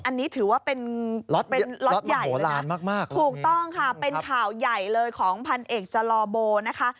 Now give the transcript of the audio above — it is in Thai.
อันนี้ถือว่าเป็นล็อตใหญ่เลยนะถูกต้องค่ะเป็นข่าวใหญ่เลยของพันธุ์เอกจรบล์นะคะ